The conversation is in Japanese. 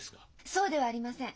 そうではありません。